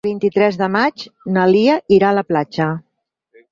El vint-i-tres de maig na Lia irà a la platja.